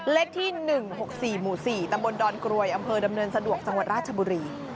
เลขที่๑๖๔หมู่๔ตำบลดอนกรวยอำเภอดำเนินสะดวกจังหวัดราชบุรี